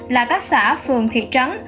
là các xã phường thị trấn